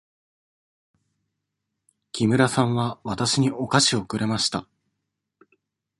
木村さんはわたしにお菓子をくれました。